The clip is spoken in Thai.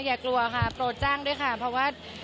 อย่ากลัวค่ะโปรดจ้างด้วยค่ะเพราะว่า